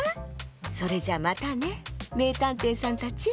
それじゃまたねめいたんていさんたち。